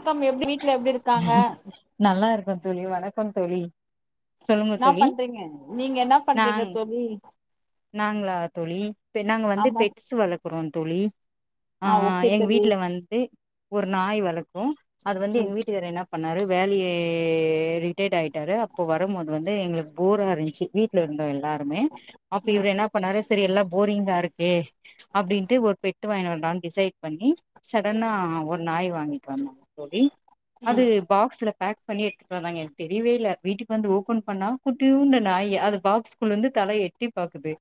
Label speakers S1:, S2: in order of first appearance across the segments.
S1: த்தம் எப்டி வீட்ல எப்டி இருக்காங்க
S2: நல்லா இருக்கோ தோழி வணக்கம் தோழி சொல்லுங்க
S1: என்னா
S2: தோழி
S1: பண்றீங்க நீங்க என்னா பண்றீங்க
S2: நாங்
S1: தோழி
S2: நாங்களா தோழி இப் நாங்கெ வந்து
S1: ஆமா
S2: பெட்ஸ் வளர்க்குறோம் தோழி அ
S1: ஆ ஓகே
S2: எங்
S1: தோழி
S2: வீட்ல வந்து ஒரு நாய் வளக்ரோ அது வந்து
S1: ம்
S2: எங் வீட்டுக்கார் என்னாப் னாரு வேலிய ரிட்டைட் ஆய்ட்டாரு அப்போ வரம்மோது வந்து எங்ளுக்கு போரா இருந்ச்சு வீட் ல இருந்தோ எல்லாருமே அப்ப
S1: ம்
S2: இவுரு என்ன பண்ணாரு சரி எல்லா போரிங்கா இருக்கு ச் அப்டின்ட்டு ஓர் பெட்டு வாங்கிட் வந்தா டிசைட் பண்ணி சடனா ஒரு நாய் வாங்கி [unintelligible] அது
S1: ம்
S2: பாகஸ்ல பேக் பண்ணி எடுத்துட் வந்தாங்க எனக்கு தெரிய வே இல்ல வீட்டுக்கு வந்து ஓபன் பண்ணா குட்டியுண்டு நாயி அது பாகஸ் குள்ளந்து தல எட்டிப்பாக்குது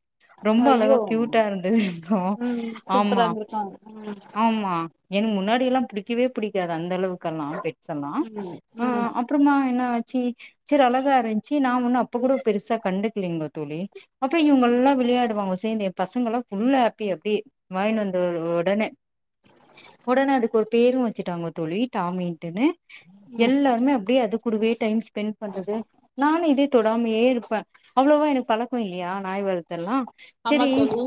S2: ரொம்ப
S1: ஐயோ
S2: அலகா க்யூட்டா இருந்து [unintelligible] ஆ
S1: ம் சூப்பரா
S2: ஆம்மா
S1: இருந்திருக்காங்க ம்
S2: ஆம்மா என் முன்னாடியுல்லாம் புடிக்கவே புடிக்காது அந்த அளவுக்கல்லாம் பெட்ஸ் எல்லா
S1: ம்
S2: அ
S1: ம்
S2: அப திருமா என்ன ஆச்சு சரி அழகா இருந்துச்சு நா ஒண்ணு அப்ப கூட பெருசா கண்டுக்கிலீங்கள தோழி பசங்க இவுங்க அல்லா விளையாடுவாங்க சேந்து என் பசங்கல்லா ஃபுல் ஹாப்பி பி வாங்கின் வந்த உ உடனே ஒடனே அதுக் ஒரு பேரு வச்சுட்டாங்க தோழி டாமின்ட்டுனு
S1: ம்
S2: எல்லார்மே அப்டே அது குடுவே டைம் ஸ்பெண் பண்றது நானு இதே தொடாமயே ருப்பே அவ்ளோவா எனக் பழக் புய்யா நாய் வளத்தர்லா
S1: ஆமா தோழி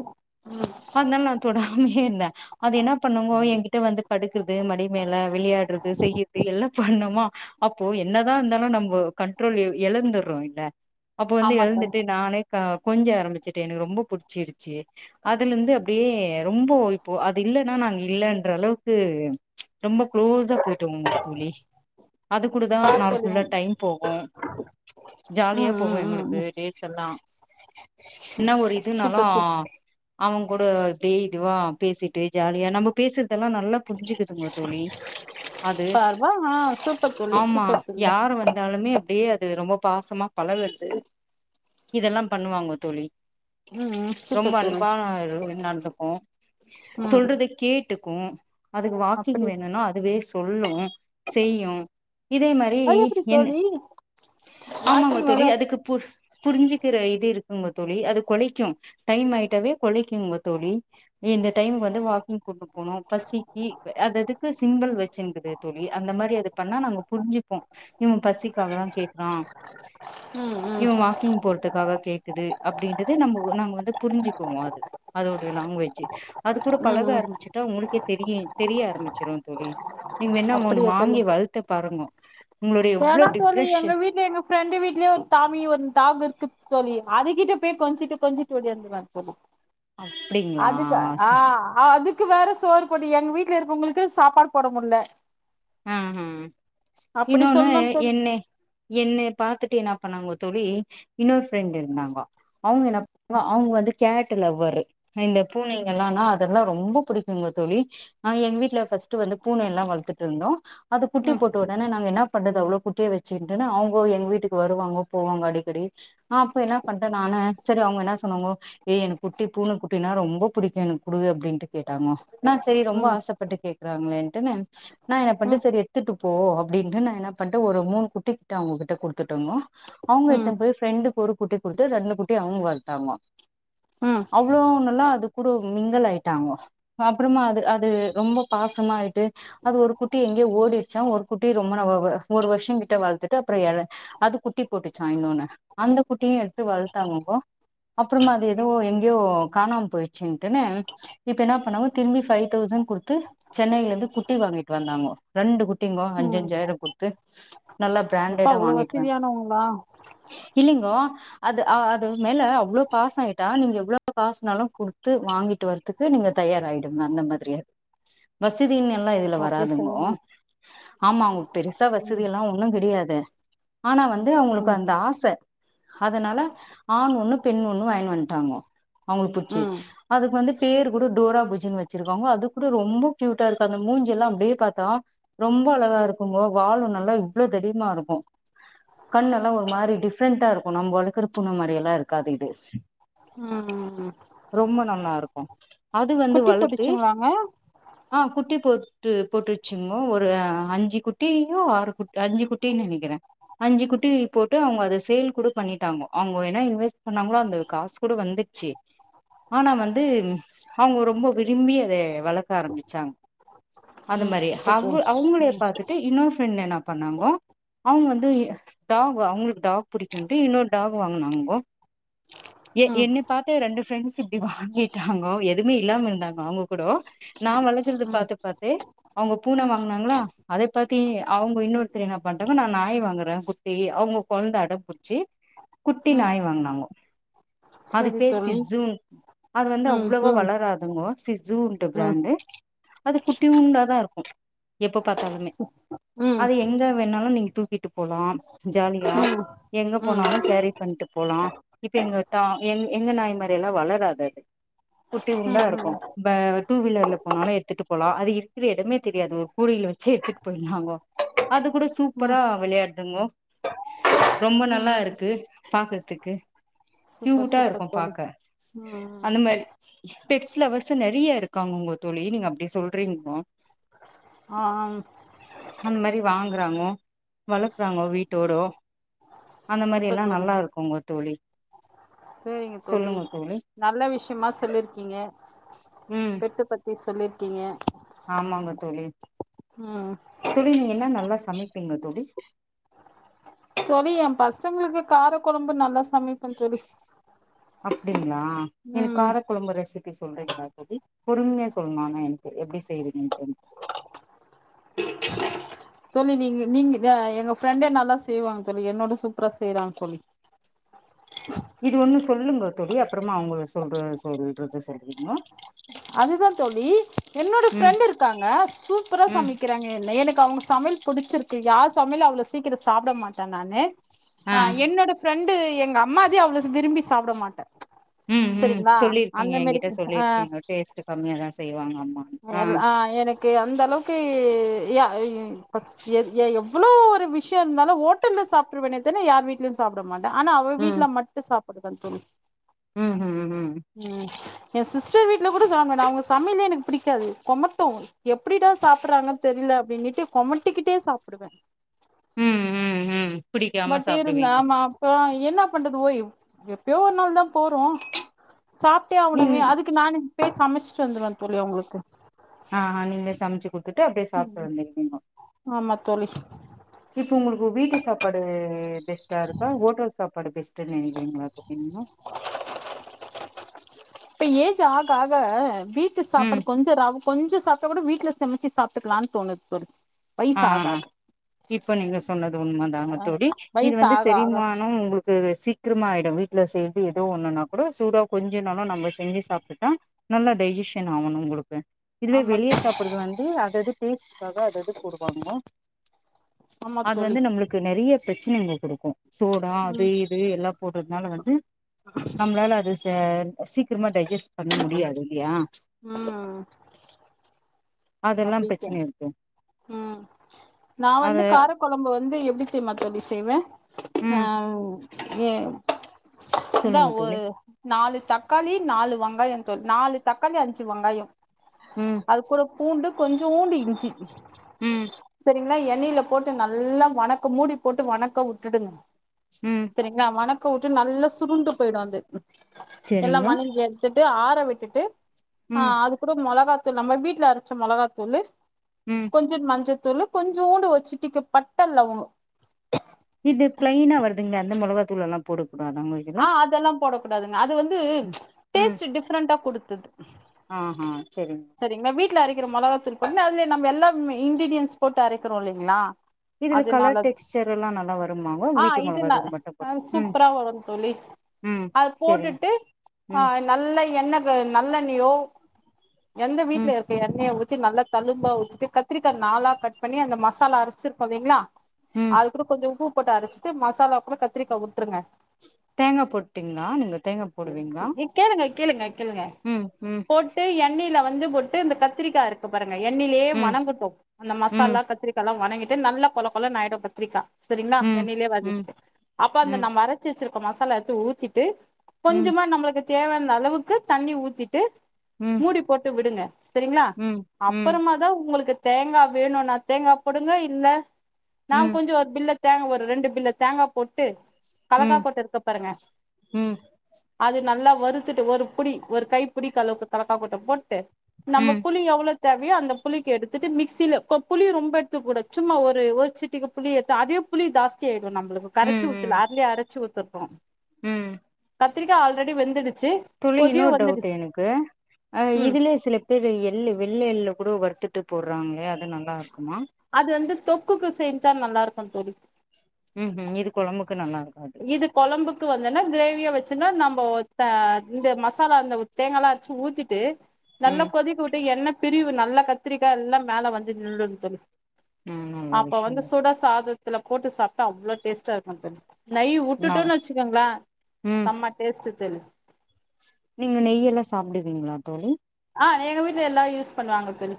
S1: ம்
S2: அத்னால் நா தொடாமையேர்ந்த அது என்னா பண்ணுங்கோ எங்கிட்ட வந்து படுக்கறது மடி மேல விளையாடுறது செய்யறது எல்லாம் பண்ணுமா அப்போ என்னதா இர்ந்தாலு நம்போ கண்ட்ரோல் எ எழந்துர்றோ இல்ல அப்போ வந்து
S1: ஆமா தோழி
S2: எழுந்துட்டு நானே க கொஞ்ச ஆரம்பிச்சுட்டே எனக்கு ரொம்ப புடிச்சிடுச்சு அதுலந்து அப்டியே ரொம்போ இப்போ அது இல்லன்னா நாங்க இல்லன்ற அளவ்க்கு [unintelligible] ரொம்ப க்ளோஸா போய் தூங்கு தோழி அது கூடதா
S1: பார்
S2: நாள்
S1: தோழி ம்
S2: புல்லா டைம் போகு ஜாலியா
S1: ம்
S2: போகு
S1: ம் ம்
S2: எங்ளுக்கு
S1: ம்
S2: டேஸ் எல்லா ன்ன ஒரு இதுனாலு
S1: சூப்பர் சூப்
S2: அவங்கூட இப்டே இதுவா பேசிட்டு ஜாலியா நம்ப பேசற்தெல்லா நல்லா புரிஞ்சுக்குதுங்க தோழி அது
S1: பார்வா ஆ சூப்பர் தோழி
S2: ஆமா
S1: சூப்பர் தோழி
S2: யார் வந்தாலுமே அப்டே அ து ரொம்ப பாசமா பழகற்து இதெல்லாம் பண்ணுவாங்க தோழி
S1: ம் ம் சூப்பர் தோழி
S2: ப்பா [unintelligible]
S1: ம்
S2: சொல்றத கேட்டுக்கு அதுக்கு வாக்கிங்
S1: அப்படி
S2: வேணுன்னா அதுவே சொல்லு செய்யு இதே மாரி
S1: அது எப்டி
S2: யென்ன
S1: தோழி
S2: ஆமாங்க
S1: வாக்கிங் வேற
S2: தோழி அதுக்கு பு புரிஞ்சிக்கிறயிது யிருக்குங்க தோழி அது கொலைக்கும் டைம்மாயிட்டாவே கொலைக்கும்ங்க தோழி ஏ யிந்த டைமுக்கு வந்து வாக்கிங் கூட்டிட்டு போனோ பசிக்கி அது அதுக்கு சிம்பல் வச்சிங்கிது தோழி அந்த மாரி அது பண்ணா நாங்க புரிஞ்சுப்போ யிவன் பசிக்காகதா கேக்குறா
S1: ம் ம்
S2: யிவன் வாக்கிங் போறதுக்காக கேக்குது அப்டின்றது நம்போ நாங்க வந்து புரிஞ்சு க்குவாது அதோடைய லாங்குவேஜ் அது கூட
S1: ம்
S2: பழக
S1: ம்
S2: ஆரம்பிச் சா உங்களுகே தெரிய தெரிய ஆரம்பிச்சிரூ தோழி நீங்க வேண்ண ஒண்ணு வாங்கி வளத்து பாருங்கோ உங்களுடைய எவ்ளோ
S1: வேணா தோழி எங்க
S2: டிப்ரெஷன்
S1: வீட்டு எங்க ஃப்ரெண்டு வீட்லயே ஒரு டாமி ஒரு டாக்குருக்கு தோழி அதுகிட்ட போய் கொஞ்சிட்டு கொஞ்சிட்டு ஓடியாந்துருவா தோழி
S2: அப்டிங்களா
S1: அதுக்கு
S2: சே
S1: ஆ அதுக் க்கு வேற சோறு போடனு எங்க வீட்டுல இருக்கவங்களுக்கு சாப்பாடு போட முடியல
S2: ம்ஹூம்
S1: அப்படி
S2: யின்னொன்னு
S1: சொல்லணு தோழி
S2: யென்னே என்னை பாத்துட்டு என்னா பண்ணாங்க தோழி இன்னொரு ஃப்ரெண்ட் இருந்தாங்கோ அவங்க என்ன ப அவங்க வந்து கேட்டு லவ்வரூ யிந்த பூனைங்கல்லானா அதெல்லா ரொம்ப புடிக்குங்க தோழி அ எங்க வீட்டு்ல பர்ஸ்ட் வந்து பூனை எல்லாம் வளத்துட்டு இருந்தோ அது குட்டி
S1: ம்
S2: போட்டு அதானா நாங்க என்ன பண்றது அவ்ளோ குட்டியே வச்சுட்டுன்நு அவங்க எங்க வீட்டுக்கு வருவாங்க போவாங்க அடிக்கடி ஆ அப்ப யென்ன பண்டே நானு சரி அவ்ங்க யென்ன சொன்னாங்கோ ஏய் எனக்கு குட்டி பூனை குட்டினா ரொம்ப புடிக்கும் எனக்கு குடு அப்டின்னுட்டு கேட்டாங்கோ நா செரி ரொம்ப
S1: ம்
S2: ஆசைப்பட்டு கேக்குறாங்களேன்ட்டு நா
S1: ம்
S2: யென்னபண்ட்டன் சரி யெடுத்துட்டு போ அப்டின்ட்டு நா யென்ன பண்ட்டன் ஒரு மூணு குட்டி கிட்ட அவ்ங்ககிட்ட குடுத்துட்டோங்கோ அவங்க
S1: ம்
S2: எடுத்துன்ன போய் ஃப்ரெண்டுக்கு ஒரு குட்டி குடுத்து ரெண்டு குட்டி அவ்ங்கோ வளத்தாங்கோ
S1: ம்
S2: அவ்ளோவ் நல்லா அது கூட மிங்கலலாயிட்டாங்கோ அப்புறமா அது அது ரொம்ப பாசமா ஆயிட்டு அது ஒரு குட்டி எங்கயோ ஓடிடுச்சா ஒரு குட்டி ரொம்ப ந வ வ ஒரு வருஷம் கிட்ட வளத்தட்டு அப்புறோ எல அது குட்டி போட்டிச்சா யின்னொன்னு அந்த குட்டியு யெடுத்து வளத்தாங்கங்கோபோ அப்புறமா அது யெதோ யெங்கேயோ காணாம போயிச்சுட்டுன்னு யிப்ப யென்ன பண்ணாங்க திரும்பி பைவ் தௌசண்ட் குடுத்து சென்னையிலருந்து குட் டி வாங்கிட்டு வந்தாங்கோ ரெண்டு குட்டிங்கோ
S1: ம்
S2: அஞ்சஞ்சாயிரம் குடுத்து நல்லா
S1: எப்பா
S2: பிராண்டடா
S1: அவ்ளோ
S2: வாங்கிட்டுவன்
S1: வசதியானவங்களா
S2: யில்லிங்கோ அது அது மேல அவ்ளோ பாச ஆயிட்ட நீங்க எவ்ளோ காசனாலு குடுத்து வாங்கிட்டு வருது துக்கு நீங்க தயாராயிடுங்க அந்த மாதிரி வசதின்னுயெல்லா யிதுல
S1: அப்டி
S2: வராதுங்கோ
S1: சொல்லுங்க
S2: ஆமா அவுங்க பெருசா
S1: ம்
S2: வசதியெல்லா ஒண்ணு கெடயாது ஆனா வந்து அவங்களுக்கு
S1: ம்
S2: அந்த ஆசை அதனால ஆண் ஒண்ணு பெண் ஒண்ணு வாங்கினுவந்துட்டாங்கோ அவங்களுக்கு பிடிச்சி
S1: ம்
S2: அதுக்கு வந்து பேரு கூட டோரா புஜின்னு வச்சிருக்காங்க அது கூட ரொம்ப கியூட்டாருக்கு அந்த மூஞ்செல்லா அப்டியே பாத்தா ரொம்ப அழகாருக்குங்கோ வாலு நல்லா யிவ்வளோவ் தடிமாருக்கு கண்ணெல்லாம் ஒரு மாரி டிஃப்ரெண்டாருக்கு நம்ம வளக்குர பூன மாரியெல்லா யிருக்காது யிது
S1: ம்
S2: ரொம்ப நல்லாருக்கு அது வந்து வளத்து
S1: அ
S2: ஆ குட்டி போட்டு போட்டுருச்சுகோ ஒரு அஞ்சு குட்டியோ ஆறு கு அஞ்சு குட்டினு நெனைக்கிறே அஞ்சு குட்டி போட்டு அவ்ங்க அதை சேல் கூட பண்ணிட்டாங்கோ அவங்கோ என்னா இன்வெஸ்ட் பண்ணாங்களோ அந்த காசு கூட வந்து ஆனா வந்து அவுங்க ரொம்ப விரும்பி அத வளக்க ஆரம்பிச்சாங் அந்த
S1: ம்
S2: மாதிரி
S1: இப்ப
S2: அவ
S1: தோ
S2: அவங்களே
S1: ம்
S2: பாத்துட்டு இன்னொர் ஃப்ரெண்ட் என்ன பண்ணாங்கோ அவுங்க வந்து டாக் அவங்களுக் டாக் புடிக்குன்ட்டு இன்னொர் டாக் வாங்னாங்கோ ஏ
S1: ம்
S2: என்ன பாத்தே ரெண்டு ஃப்ரெண்ட்ஸ் இப்டி வாங்கிட்டாங்கோ எதுமே இல்லாம இருந்தாங்க அவ்ங்க கூடோ நா வளக்கறது
S1: ம்
S2: பாத்து பாத்தே அவுங்க பூன வாங்னாங்களா அத பாத்தி அவங்க இன்னொருத்தரு என்ன பண்டாங்க நா நாய் வாங்கறே அவங்க குழந்த அட புட்ச்சி குட்டி
S1: ம்
S2: நாய் வாங்னாங்கோ அது
S1: சரி
S2: பேர்
S1: தோழி
S2: சிட்சூன் அது வந்து
S1: ம்
S2: அவ்ளவோ
S1: சொல்
S2: வளராது சிட் சூன் ட்டு
S1: ம்
S2: பிராண்டு அது குட்டியூண்டாதா இருக்கு எப்ப பாத்தாலுமே
S1: ம்
S2: அத எங்க வேணாலு நீங்க தூக்கிட்டு போலாம் ஜாலியா
S1: ம்
S2: எங்க
S1: ம்
S2: போனாலு கேரி பண்ட்டு போலா இப்ப எங்க டா எங்க நாய் மாரியெல்லா வளராது அது குட்டியூண்டா
S1: ம்
S2: இருக்கு
S1: ம்
S2: ம்ப டூ வீலர்ல போனாலு எ டுத்துட்டு போலா அது இருக்கிற எடமே தெரியாது கூடைல வச்சு எடுத்துட்டு போயிருந்தாங்கோ அது கூட
S1: ம்
S2: சூப்பரா விளையாடுதுங்கோ ரொம்ப நல்லா
S1: ம்
S2: இருக்கு பாக்கறதுக்கு
S1: சூப்பர்
S2: கியூட்டா
S1: சூப்பர்
S2: இருக்கு
S1: தோழி
S2: பாக்க
S1: ம்
S2: அந்த மாரி பெட்ஸ் லவ்வர்ஸ் நிறைய இருக்காங்க தோழி நீங்க அப்டி சொல்றீங்ளோ
S1: ஆம்
S2: அந் மாரி வாங்குறாங்கோ வளக்கறாங்கோ வீட்டோடோ அந்த மாரி
S1: சூப்பர்
S2: எல்லா
S1: தோழி
S2: நல்லா இருக்குங்க தோழி
S1: சேரிங்க தோழி நல்ல விஷ்யமா சொல்லிருக்கீங்க
S2: ம்
S1: பெட்டு பத்தி சொல்லிருக்கீங்க
S2: ஆமாங்க தோழி
S1: ம்
S2: தோழி நீங்க என்ன நல்லா சமைப்பீங்க தோழி
S1: தோழி எ பசங்களுக்கு கார கொழம்பு நல்லா சமைப்பே தோழி
S2: அப்டிங்ளா எனக்
S1: ம்
S2: காரக்கொழம்பு ரெசிப் பி சொல்றீங்லா தோழி பொறுமையா சொல்ணு ஆனா எனக்கு எப்படி செய்யறதுன்டு
S1: தோழி நீங் நீங்க எங்க ஃப்ரெண்டே நல்லா செய்வாங் தோழி என்னோட சூப்பரா செய்றாங் தோழி
S2: இது ஒண்ணு சொல்லுங்க தோழி அப்புறமா அவங்க சொல்ற சொல்றத சொல்லுங்கோ
S1: அதுதா தோழி என்னோட
S2: ம்
S1: ஃப்ரெண்ட் இருக்காங்க சூப்பரா
S2: ம்
S1: சமைக்கிறாங்க என்ன எனக் அவங் சமையல் பிடிச்சிருக்கு யார் சமையல் அவ்ளோ சீக்கிர சாப்ட மாட்டே நானு ஆ என்னோட ப்ரெண்டு எங்க அம்மாதே அவளவ் விரும்பி சாப்டமாட்டே
S2: ம் ம்
S1: செரிங்ளா
S2: சொல்லிருக்கீங்க
S1: அந்த மாரி
S2: என்கிட்ட
S1: ஆ
S2: சொல்லிருக்கீங்க டேஸ்ட் கம்மியாதா செய்வாங்க அம்மா
S1: எல் ஆ எனக்கு அந்த அளவுக்கு யா எ எவ்ளோ ஒரு விஷ்யோ இருந்தாலு ஹோட்டல்ல சாப்ட்டுவேன த யார் வீட்ல சாப்ட மாட்டே ஆனா அவ
S2: ம்
S1: வீட்ல மட்டு சாப்பிடுவே தோழி
S2: ம்
S1: ம் எ சிஸ்டர் வீட்டு்ல கூட சாப்ட மாட்டே அவங்க சமையலே எனக் பிடிக்காது கொமட்டூ எப்டிடா சாப்பிறாங்கன் தெரியல அப்டின்னுட்டு கொமட்டிக்கிட்டே சாப்புடுவே
S2: ம் ம் ம் பிடிக்காம
S1: பட் இருந்தா
S2: சாப்டுவீங்க
S1: மா என்ன பண்றது ஓய் எப்பியோ ஒரு நாள் தா போறோ சாப் டே ஆவனுமே
S2: நீங்
S1: அதுக்கு நானே போய் சமைச்சிட்டு வந்துருவே தோழி அவங்களுக்கு
S2: ஆ நீங்களே சமைச்சு குடுத்துட்டு அப்டியே சாப்ட [unintelligible]
S1: ஆமா தோழி
S2: இப்ப உங்களுக்கு வீட்டு சாப்பாடு பெஸ்ட்டாருக்கா ஓட்டல் சாப்பாடு பெஸ்ட்ன்னு நெனக்கிறிங்களா தோழி நீங்க
S1: இப்ப ஏஜ் ஆக ஆக வீட்டு
S2: ம்
S1: சாப்பாடு கொஞ் சரி அவ கொஞ்சொ சாப்ட்டா கூட வீட்ல சமச்சி சாப்ட்டுக்கலான் தோணுது தோழி
S2: ஆ
S1: வயசு ஆக
S2: ஆ
S1: ஆக
S2: இப்ப நீங்க சொ சொன்னது உண்மை தாங்க தோழி இது
S1: வயசு
S2: வந்து
S1: ஆக ஆக
S2: செரிமான உங்களுக்கு சிக் க்ரமா ஆயிடு வீட்ல சேத்தி ஏதோ ஒண்ணுன்னா கூட சூடா கொஞ்சோனாலு நம்ம செஞ்சு சாப்டுட்டா நல்லா டைஜிஷன் ஆவணு உங்களுக்கு இதுவே
S1: ஆமா
S2: வெளிய
S1: தோழி
S2: சாப்ட்டுறது வந்து அது அது டேஸ்ட்க்காக அதது போடுவாங்க
S1: ஆமா
S2: அது
S1: தோழி
S2: வந்து நம்ளுக்கு நெறைய பிரச்சனைங்க குடுக்கு சோடா அது
S1: ம்
S2: இது எல்லா போட்றதுனால வந்து நம்மளால அது செ சீக்ரமா டைஜஸ்ட் பண்ண முடியாது இல்லையா
S1: ம்
S2: அதெல்லா
S1: அப்டிக்க
S2: பிரச்சன இருக்கு
S1: ம் நா
S2: அத
S1: வந்து கார கொழம்பு வந்து எப்டி தெரியுமா தோழி செய்வே ஆ
S2: ம்
S1: ஏ இந்தா
S2: சொல்லுங்க
S1: ஒ
S2: தோழி
S1: நாலு தக்காளி நாலு வங்காயம் தோழி நாலு தக்காளி அஞ்சு வங்காயம்
S2: ம்
S1: அது கூட பூண்டு கொஞ்சோண்டு இஞ்சி
S2: ம்
S1: சரி எண்ணைல போட்டு நல்லா வணக்க மூடி போட்டு வணக்க வுட்டுடுங்க
S2: ம்
S1: சரிங்ளா வணக்க க்க வுட்டு நல்ல சுருண்டு போயிடு அது எல்லா
S2: செரிங்க
S1: வணங்கி எடுத்துட்டு ஆற விட்டுட்டு ஆ
S2: ம்
S1: அது கூட மொளகாத்தூள் நம்ம வீட்ல அரச்ச மொளகாத்தூளு
S2: ம்
S1: கொஞ்சோ மஞ்சத்தூளு கொஞ்சோண்டு ஒரு சிட்டிக பட்ட லவங்க
S2: இது பிளைனா வருதுங்களே அந்த மொளகாத்தூள்லலா போடக்கூடாதாங்கோய்
S1: அ அதெல்லாம் போடக் கூடாதுங்க அது வந்து
S2: ம்
S1: டேஸ்ட் டிஃப்ரெண்டா குடுத்தது
S2: ஆ ஹ செரிங்
S1: சரிங்களா வீட்டுல அரைக்கிற மிளகாதூள் போட்டு அதுல நம்ம எல்ல இங்கிரீடியன்ஸ் போட்டு அரக்கிறோ இல்லங்ளா
S2: இதுல கலர்
S1: அதுனாலது
S2: டெக்ஸ்சர் எல்லா நல்லா வருமாங்க
S1: ஆ
S2: வீட்டு
S1: இது
S2: மொளகாத்தூள் மட்டு போட்டா
S1: நல்
S2: ம்
S1: சூப்ரா வரு ழி
S2: ம்
S1: அத
S2: செரி
S1: போட்டுட்டு ஆ நா
S2: ம்
S1: நல்ல எண்ணக நல்லெண்ணயோ எந்த வீட்ல
S2: ம்
S1: இரு ப்ப எண்ணெய ஊத்தி நல்லா தழும்பா ஊத்திட்டு கத்திரிக்கா நாலா கட் பண்ணி அந்த மசாலா அரச்சிருப்போ இல்லங்களா
S2: ம்
S1: அது கூட கொஞ்ச உப்பு போட்டு அரச்சிட்டு மசாலாக்குள்ள கத்திரிக்கா உட்ருங்க
S2: தேங்கா போட்டீங்ளா நீங்க தேங்கா போடுவீங்ளா
S1: கேளுங்க கேளுங்க கேளுங்க
S2: ம் ம்
S1: போட்டு எண்ணெயில வந்து போட்டு இந்த கத்திரிக்கா இருக் பாருங்க எண்ணைலயே
S2: ம்
S1: வணங்கட்டு அந்த
S2: ம்
S1: மசாலா கத்திரிக்க ல்லா வணங்கிட்டு நல்ல கொல கொல ஆயிடு கத்திரிக்கா சேரிங்ளா
S2: ம்
S1: எண்ணெயிலயே
S2: ம்
S1: வதக்கிட்டு அப்ப
S2: ம்
S1: அந்த
S2: ம்
S1: நம்ப அரச்சு வச்சிருக்க மசாலா எடுத்து ஊத்திட்டு
S2: ம்
S1: கொஞ்சமா நம்மளுக்கு தேவையான அளவுக்கு தண்ணி ஊத்திட்டு மூடி போட்டு விடுங்க சரிங்ளா
S2: ம் ம்
S1: அப்பறமாதா உங்களுக்கு தேங்கா வேணுன்னா தேங்கா போடுங்க இல்ல நா
S2: ம்
S1: கொஞ்ச ஒரு பில்ல தேங்க ஒரு ரெண்டு பில்ல தேங்கா போட்டு
S2: ம்
S1: கல்லக்காக்கொட்ட இருக்கு பாருங்க
S2: ம்
S1: அது நல்லா வருத்துட்டு ஒரு புடி ஒரு கை புடிக்களவுக்கு கள்ளக்கா கொட்ட போட்டு நம்ம
S2: ம்
S1: புளி எவ்ளொ தேவயோ அந்த புளிக்கு எடுத்துட்டு மிக்சில கொ புளி ரொம்ப எடுத்துக் கூடாது சும்மா ஒரு ஒரு சிட்டிக புளி எடுத்த அதுவே புளி சாஸ்தி ச்சியாடு நம்பளுக்கு கரச்சி
S2: ம் ம்
S1: ஊத்துல அருலயே அரச்சு ஊத்துப்போ
S2: ம்
S1: கத்திரிக்கா ஆல்ரெடி வெந்துடுச்சு
S2: தோழி இன்னொரு டவுட்டு
S1: வந்துடுச்சு
S2: எனக்கு அ
S1: ம்
S2: இதுலயே சிலப் பேரு எள்ளு வெள்ள எள்ளு கூட வறுத்துட்டு போடுறாங்க அது நல்லா இருக்குமா
S1: அது வந்து தொக்குக்கு செஞ்சா நல்லா இருக்கு தோழி
S2: ம் ம் இது கொழம்புக்கு நல்லாருக்கது
S1: இது கொழம்புக்கு வந்தன்னா கிரேவியா வச்சுன்னா நம்போ த இந்த மசாலா அந்த தேங்கால்லா அரைச்சு ஊத்திட்டு நல்லா
S2: ம்
S1: கொதிக்க விட்டு எண்ணத் பிரிவு நல்ல கத்திரிக்காய் எல்லா மேல வந்து நின்டு தோழி
S2: ம் நல்ல
S1: அப்ப
S2: விஷயம்
S1: வந்து சூடா சாதத்துல போட்டு சாப்ட்டா அவ்ளோ டேஸ்ட்டா இருக்கு தோழி நய்
S2: நா
S1: உட்டுட்ன்னு வச்சுக்கங்களே
S2: ம்
S1: செம்ம டேஸ்ட்டு தோழி
S2: நீங்க நெய்யெல்லா சாப்பிடுவீங்களா தோழி
S1: ஆ எங்க வீட்ல எல்லா யூஸ் பண்ணுவாங்க தோழி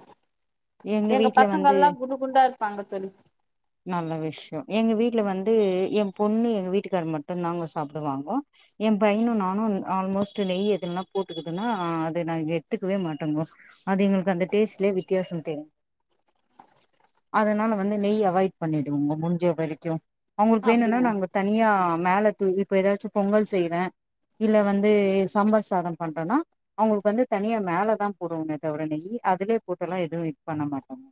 S1: எங்க
S2: வீட்ல வந்து
S1: பசங்கள்லா [unintelligible] குண்டா இருப்பாங்க தோழி
S2: நல்ல விஷ்யோ எங்க வீட்டில வந்து எ பொண்ணு எங்க வீட்டுக்காரு மட்டுதான்ங்க சாப்டுவாங்கோ என் பையனு
S1: ம்
S2: நானு ஆல்மோஸ்ட்டு நெய் எங்கன்னா போட்டுக்குதுன்னா அது நாங் எத்துக்கவே மாட்டோங்கோ அது எங்களுக்கு அந்த டேஸ்ட்லயே வித்தியாச தெரியு அதனால வந்து நெய் அவாய்ட் பண்ணிடுவோங்க முடிஞ்ச வரைக்கு அவுங்ளுக்கு வேணுன்னா
S1: அப்டியா
S2: நாங்க தனியா மேல தூவி இப்ப ஏதாச்சு பொங்கல் செய்வே இல்ல வந்து சம்பார் சாத பண்றனா அவுங்களுக்கு வந்து தனியா மேலதா போடுவேமே தவர நெய் அதுலயே போட்டலா எதுவு மிக்ஸ் பண்ண மாட்டோங்க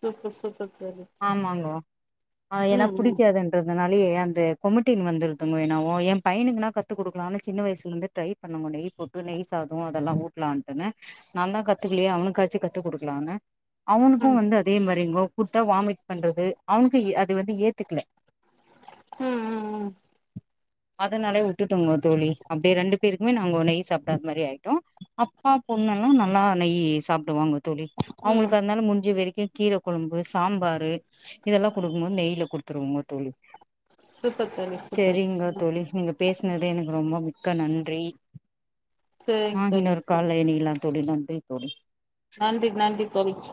S1: சுப்பர் சுப்பர் தோழி
S2: ஆமாங்கோ அ ஏனா
S1: ம் ம்
S2: புடிக்காதுன் றதுதனாலே அந்த கொமட்டினு வந்துருங்கோ நா ஒ எ பையனுக்குனா கத்து குடுக்கலான்னு சின்ன வயசுலேருந்தே ட்ரை பண்னோங்க நெய் போட்டு நெய் சாதோ அதெல்லா ஊட்டலான்ட்டுனு நா தா கத்துக்கலையா அவுனுக்காச்சு கத்து குடுக்கலானு அவுனுக்கு
S1: ம்
S2: வந்து அதே மாரிங்கோ த்தா வாமிட் பண்றது அவுனுக்கு அது வந்து ஏத்துக்கல
S1: ம் ம் ம்
S2: அதனாலே விட்டுட்டோங்க தோழி அப்டியே ரெண்டு பேருக்குமே நாங்கோ நெய் சாப்டா அது மாரி ஆயிட்டோ அப்பா பொண்ணெல்லா நல்லா நெய் சாப்டுவாங்குகோ தோழி
S1: ம்
S2: அவுங்களுக்கு அதுனால முடிஞ்ச வரைக்கு கீர கொழம்பு சாம்பாரு இதெல்லா குடுக்கு போது நெய்ல குடுத்துருவோங்க தோழி
S1: சூப்பர் தோழி சூப்பர்
S2: செரிங்க
S1: ம்
S2: தோழி நீங்க பேசினது எனக்கு ரொம்ப மிக்க நன்றி ஆ
S1: சேரிங்க தோழி
S2: இன்னொரு கால்ல இணையலா தோழி நன்றி தோழி
S1: நன்றி நன்றி தோழி